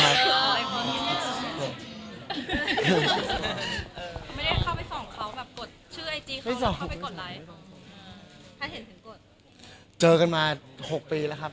ถ้าเจอกันมา๖ปีแล้วครับ